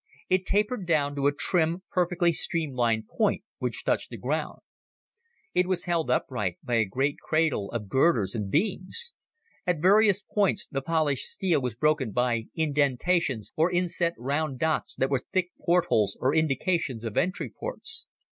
It tapered down to a thin, perfectly streamlined point which touched the ground. It was held upright by a great cradle of girders and beams. At various points the polished steel was broken by indentations or inset round dots that were thick portholes or indications of entry ports.